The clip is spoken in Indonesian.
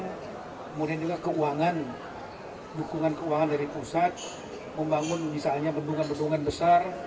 kemudian juga keuangan dukungan keuangan dari pusat membangun misalnya bendungan bendungan besar